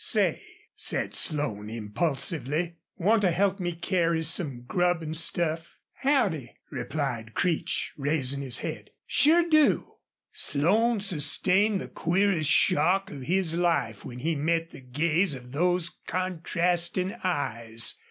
"Say," said Slone, impulsively, "want to help me carry some grub an' stuff?" "Howdy!" replied Creech, raising his head. "Sure do." Slone sustained the queerest shock of his life when he met the gaze of those contrasting eyes.